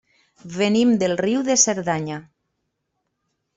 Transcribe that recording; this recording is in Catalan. Venim de Riu de Cerdanya.